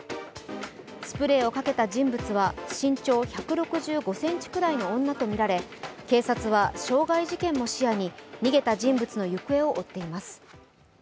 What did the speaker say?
スプレーをかけた人物は身長１６５ｃｍくらいの女とみられ、警察は傷害事件も視野に逃げた人物の行方を追っています。